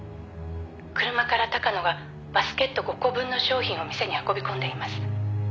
「車から高野がバスケット５個分の商品を店に運び込んでいます」